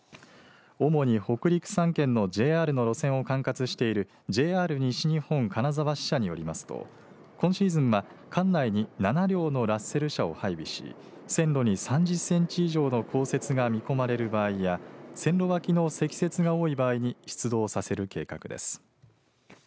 主に北陸３県のＪＲの路線を管轄しているＪＲ西日本金沢支社によりますと今シーズンは管内に７両のラッセル車を配備し線路に３０センチ以上の降雪が見込まれる場合や線路わきの積雪が多い場合に出動させる計画です。